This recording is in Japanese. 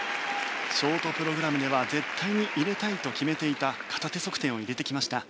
ショートプログラムでは絶対に入れたいと決めていた片手側転を入れてきました。